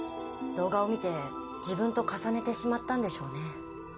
動画を見て自分と重ねてしまったんでしょうね。